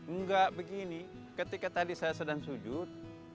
enggak begini ketika tadi saya sedang sujud